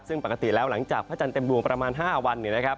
ซึ่งปกติแล้วหลังจากพระจันทร์เต็มดวงประมาณ๕วัน